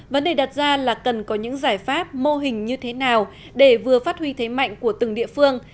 vấn đề đặt ra là cần có những giải pháp mô hình như thế nào để vừa phát huy thế mạnh của từng địa phương